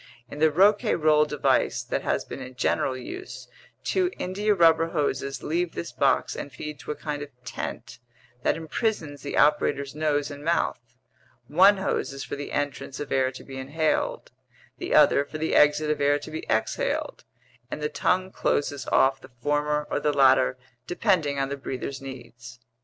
In the Rouquayrol device that has been in general use, two india rubber hoses leave this box and feed to a kind of tent that imprisons the operator's nose and mouth; one hose is for the entrance of air to be inhaled, the other for the exit of air to be exhaled, and the tongue closes off the former or the latter depending on the breather's needs.